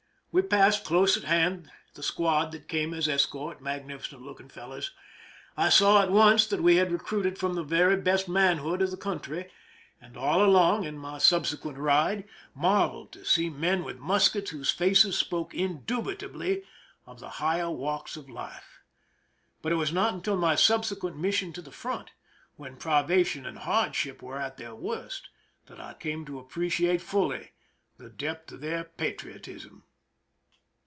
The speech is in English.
We passed close at hand the squad that came as escort— magnificent looking fellows ! I saw at once that we had recruited from the very best manhood of the country, and all along, in my subsequent ride, marveled to see men with muskets whose faces spoke indubitably of the higher walks of life. But it was not until my subsequent mission to the front, when privation and hardship were at their worst, that I came to appreciate fully the depth of their patriotism.